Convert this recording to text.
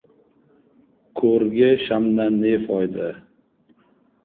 • Ko‘rga shamdan ne foyda?